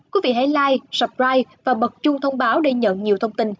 quý vị hãy like subscribe và bật chung thông báo để nhận nhiều thông tin